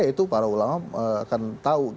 itu para ulama akan tahu